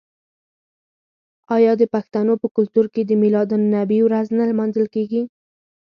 آیا د پښتنو په کلتور کې د میلاد النبي ورځ نه لمانځل کیږي؟